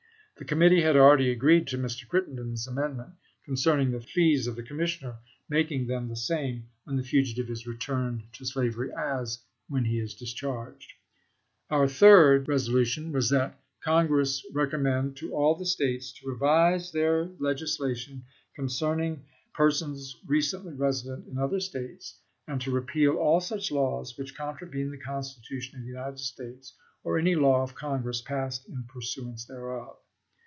The Committee had already agreed to Mr. Crittenden's amendment concerning the fees of the commissioner, making them. the same when the fugitive is returned to slavery as when he is discharged. Om* Third resolution was that Congress recommend to all the States to revise their legislation concerning persons recently resident in other States, and to repeal all such laws which contravene the Constitution of the United States, or any law of Congress passed in pursu ance thereof.